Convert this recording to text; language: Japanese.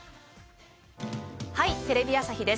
『はい！テレビ朝日です』